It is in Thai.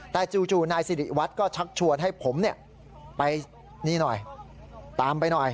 แต่จู่นายสิริวัตรก็ชักชวนให้ผมไปนี่หน่อยตามไปหน่อย